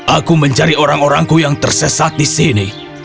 aku mencari orang orangku yang tersesat di sini